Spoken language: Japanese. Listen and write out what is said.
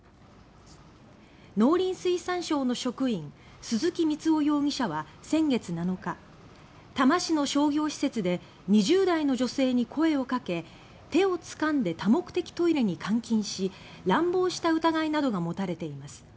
農林水産省の職員鈴木光夫容疑者は先月７日多摩市の商業施設で２０代の女性に声をかけ手を掴んで多目的トイレに監禁し乱暴した疑いなどがもたれています。